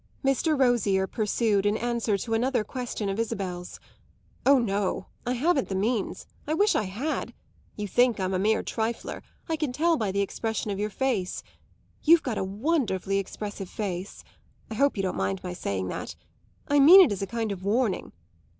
Mr. Rosier pursued in answer to another question of Isabel's. "Oh no; I haven't the means. I wish I had. You think I'm a mere trifler; I can tell by the expression of your face you've got a wonderfully expressive face. I hope you don't mind my saying that; I mean it as a kind of warning.